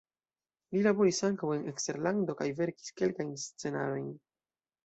Li laboris ankaŭ en eksterlando kaj verkis kelkajn scenarojn.